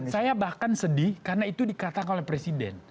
saya bahkan sedih karena itu dikatakan oleh presiden